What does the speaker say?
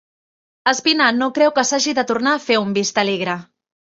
Espinar no creu que s'hagi de tornar a fer un Vistalegre